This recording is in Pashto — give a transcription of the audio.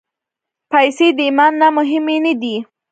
پېسې د ایمان نه مهمې نه دي.